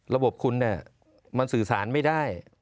ระบบคุณมันสื่อสารไม่ได้